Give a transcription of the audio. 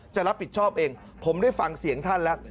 จะรับผิดชอบเองผมได้ฟังเสียงท่านแล้ว